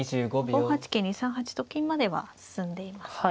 ５八金に３八と金までは進んでいますね。